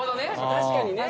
確かにね。